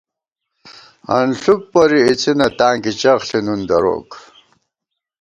انݪُوک پوری اِڅِنہ، تانکی چخ ݪِی نُون دروک